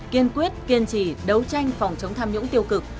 kiên quyết kiên trì đấu tranh phòng chống tham nhũng tiêu cực